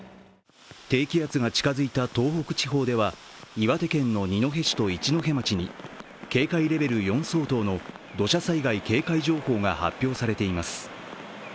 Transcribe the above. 低気圧が近づいた東北地方では岩田県の二戸市と一戸町に警戒レベル４相当の土砂災害警戒情報が発表されています。